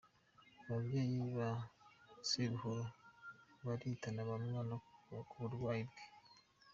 Ababyeyi ba Sebuhoro baritana ba mwana ku burwayi bwe.